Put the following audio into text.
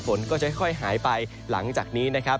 ฝนก็จะค่อยหายไปหลังจากนี้นะครับ